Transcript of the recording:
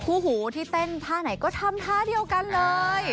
หูที่เต้นท่าไหนก็ทำท่าเดียวกันเลย